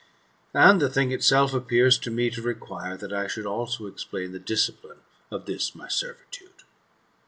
And the thing itself appears to me to require that I should also explain the discipline of this my servitude.